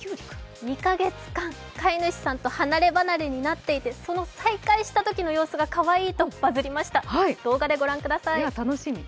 ２か月間、飼い主さんと離ればなれになっていて、その再会したときの様子がかわいいと話題になりました。